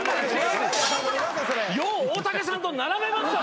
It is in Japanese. よう大竹さんと並べましたね